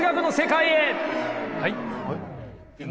はい？